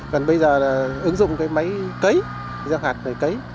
còn bây giờ là ứng dụng cái máy cấy giao hạt này cấy